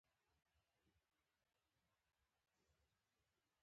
باز د لوړ اواز خاوند دی